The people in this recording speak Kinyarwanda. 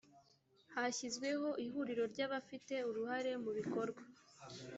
hashyizweho ihuriro ry abafite uruhare mu bikorwa